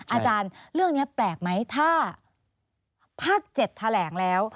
อาจารย์เรื่องนี้แปลกไหมถ้าภาค๗แถลงแล้ว